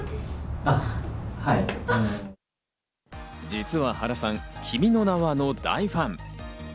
実は原さん、『君の名は。』の大ファン。